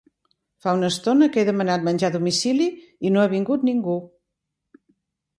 Fa una estona que he demanat menjar a domicili i no ha vingut ningú.